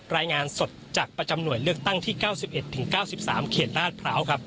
รายงานสดจากประจำหน่วยเลือกตั้งที่๙๑๙๓เขตลาดพร้าวครับ